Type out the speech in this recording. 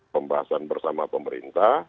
pembahasan bersama pemerintah